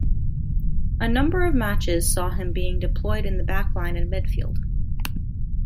A number of matches saw him being deployed in the backline and midfield.